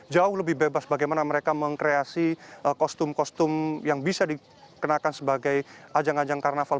jauh lebih bebas bagaimana mereka mengkreasi kostum kostum yang bisa dikenakan sebagai ajang ajang karnaval